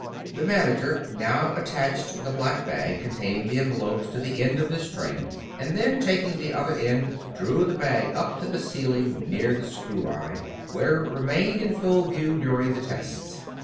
The manager now attached the black bag containing the envelopes to the end of this string, and then taking the other end, drew the bag up to the ceiling near the screw eye, where it remained in full view during the tests.